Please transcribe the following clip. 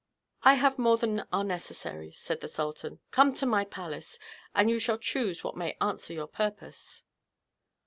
"I have more than are necessary," said the sultan; "come to my palace, and you shall choose what may answer your purpose."